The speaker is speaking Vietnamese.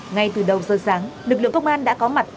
ngay từ đầu giờ sáng lực lượng công an đã có mặt